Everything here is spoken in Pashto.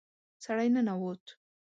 سړی ننوت.